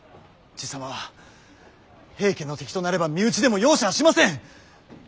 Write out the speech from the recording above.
爺様は平家の敵となれば身内でも容赦はしません。